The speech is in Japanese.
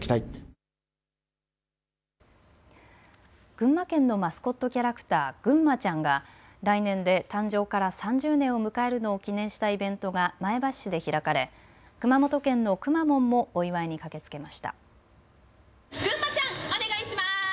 群馬県のマスコットキャラクター、ぐんまちゃんが来年で誕生から３０年を迎えるのを記念したイベントが前橋市で開かれ熊本県のくまモンもお祝いに駆けつけました。